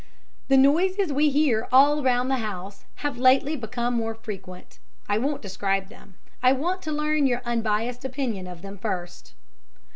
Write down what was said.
The noises we hear all round the house have lately been more frequent. I won't describe them; I want to learn your unbiassed opinion of them first."